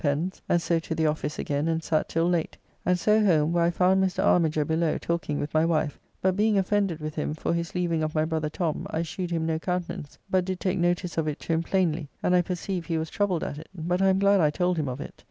Pen's, and so to the office again and sat till late; and so home, where I found Mr. Armiger below talking with my wife, but being offended with him for his leaving of my brother Tom I shewed him no countenance, but did take notice of it to him plainly, and I perceive he was troubled at it, but I am glad I told him of it.